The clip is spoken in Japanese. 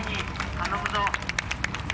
頼むぞ。